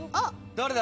誰だ？